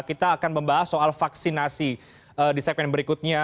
kita akan membahas soal vaksinasi di segmen berikutnya